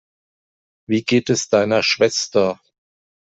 Wie geht es deiner Schwester?